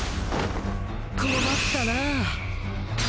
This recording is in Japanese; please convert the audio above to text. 困ったな。